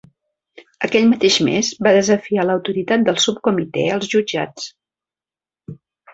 Aquell mateix mes va desafiar l'autoritat del subcomitè als jutjats.